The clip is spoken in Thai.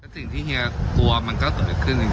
สิ่งที่เฮียกลัวมันก็สำเร็จขึ้นอย่างนี้หรอ